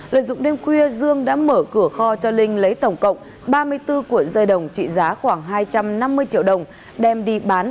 lợi dụng đêm khuya dương đã mở cửa kho cho linh lấy tổng cộng ba mươi bốn cuộn dây đồng trị giá khoảng hai trăm năm mươi triệu đồng đem đi bán